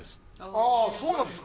あぁそうなんですか。